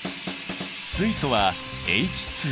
水素はＨ。